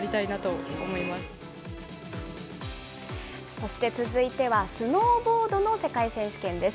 そして続いては、スノーボードの世界選手権です。